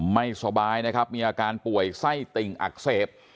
ไม่สบายนะครับมีอาการป่วยไส้ติ่งอักเสบ